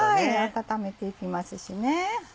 温めていきますしね。